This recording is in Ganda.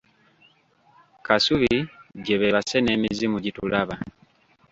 Kasubi gye beebase n’emizimu gitulaba.